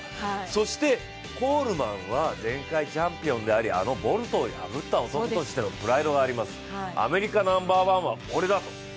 そしてコールマンは前回チャンピオンであり、あのボルトを破った男というプライドがあります、アメリカナンバーワンは俺だと。